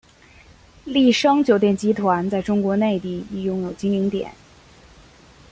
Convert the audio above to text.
丽笙酒店集团在中国内地亦拥有经营点。